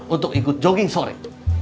untuk ikut jogging sore